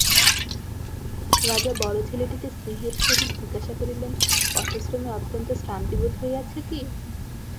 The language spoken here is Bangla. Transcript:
রাজা বড়ো ছেলেটিকে স্নেহের সহিত জিজ্ঞাসা করিলেন, পথশ্রমে অত্যন্ত শ্রান্তিবোধ হইয়াছে কি?